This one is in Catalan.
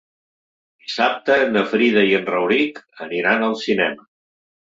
Dissabte na Frida i en Rauric aniran al cinema.